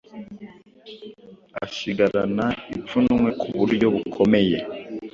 asigarana ipfunwe ku buryo bukomeye